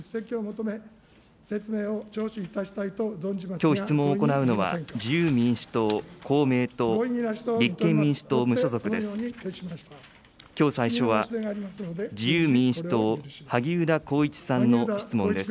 きょう質問を行うのは、自由民主党、公明党、立憲民主党・無所属です。